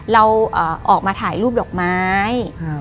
เราออกมาถ่ายรูปดอกไม้